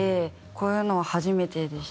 こういうのは初めてでした。